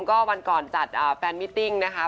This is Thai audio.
ก็วันก่อนจัดแฟนมิติ้งนะคะ